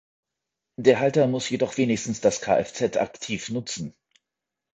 Der Halter muss jedoch wenigstens das KfZ aktiv nutzen.